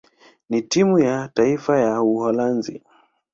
na timu ya taifa ya Uholanzi.